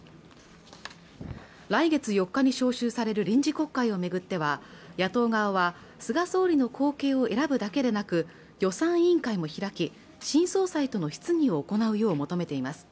来月４日に召集される臨時国会を巡っては野党側は菅総理の後継を選ぶだけでなく予算委員会も開き新総裁との質疑を行うよう求めています